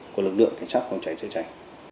của lực lượng cảnh sát phòng cháy chữa cháy